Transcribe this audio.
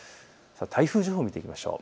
台風情報を見ていきましょう。